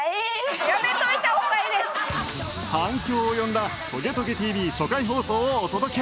反響を呼んだ『トゲトゲ ＴＶ』初回放送をお届け！